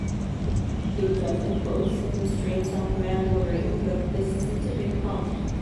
It does impose some constraints on command ordering, but this isn't a big problem.